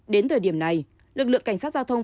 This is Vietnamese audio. đến thời điểm này lực lượng cảnh sát giao thông